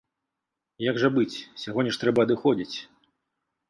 Як жа быць, сягоння ж трэба адыходзіць!